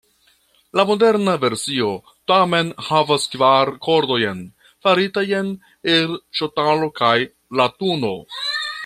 La moderna versio tamen havas kvar kordojn faritajn el ŝtalo kaj latuno.